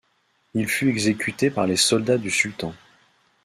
Il fut exécuté par les soldats du sultan.